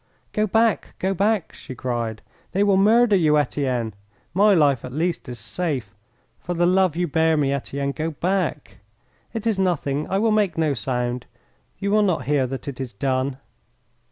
"Go back! Go back!" she cried. "They will murder you, Etienne. My life, at least, is safe. For the love you bear me, Etienne, go back. It is nothing. I will make no sound. You will not hear that it is done."